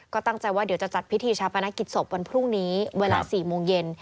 ก็ตั้งใจว่าเดี๋ยวจะจัดพิธีชาปนกิจศพวันพรุ่งนี้เวลา๔โมงเย็น